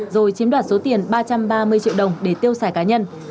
rồi chiếm đoạt số tiền ba trăm ba mươi triệu đồng để tiêu xài cá nhân